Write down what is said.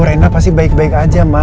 rena pasti baik baik aja ma